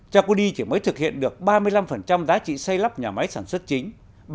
chakudy chỉ mới thực hiện được ba mươi năm giá trị xây lắp nhà máy sản xuất chính